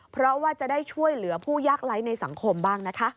เพราะว่าจะได้ช่วยเหลือผู้ยากไร้ในสังคมบ้างนะคะ